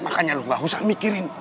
makanya lu gak usah mikirin